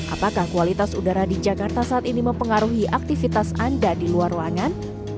apakah kualitas udara di jakarta saat ini mempengaruhi aktivitas anda di luar ruangan